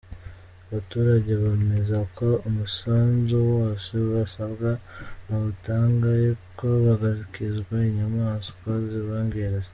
Abaturage bemeza ko umusanzu wose basabwa bawutanga ariko bagakizwa inyamaswa zibangiriza.